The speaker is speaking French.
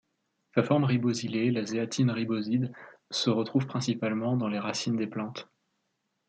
Sa forme ribosylée, la zéatine riboside, se retrouve principalement dans les racines des plantes.